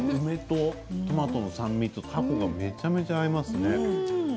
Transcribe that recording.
トマトの酸味と梅とたこがめちゃくちゃ合いますね。